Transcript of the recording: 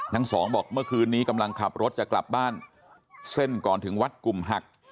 ทั้งสองบอกเมื่อคืนนี้กำลังขับรถจะกลับบ้านเส้นก่อนถึงวัดกลุ่มหัก